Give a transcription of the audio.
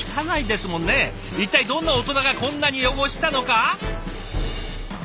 一体どんなオトナがこんなに汚したのか？